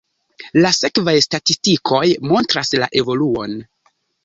La sekvaj statistikoj montras la evoluon.